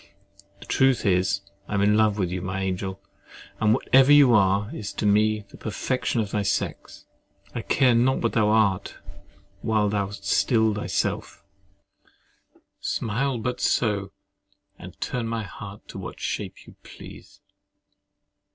The truth is, I am in love with you, my angel; and whatever you are, is to me the perfection of thy sex. I care not what thou art, while thou art still thyself. Smile but so, and turn my heart to what shape you please!